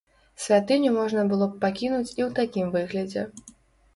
Святыню можна было б пакінуць і ў такім выглядзе.